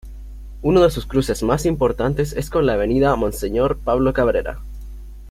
Uno de sus cruces más importantes es con la avenida Monseñor Pablo Cabrera.